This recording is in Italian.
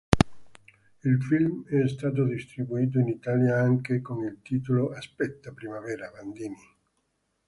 Il film è stato distribuito in Italia anche con il titolo Aspetta primavera, Bandini.